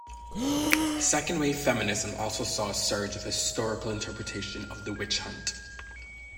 Second-wave feminism also saw a surge of historical interpretation of the witch-hunt.